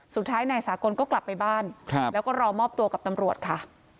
สุดท้ายนายสากลก็กลับไปบ้านแล้วก็รอมอบตัวกับตำรวจค่ะ